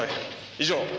以上。